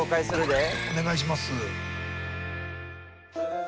お願いします。